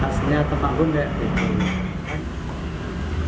rasanya temanggung tidak ada bakso